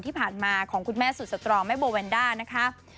ที่ผ่านมาของคุณแม่สุดสตรองแม่โบแวนด้านะคะ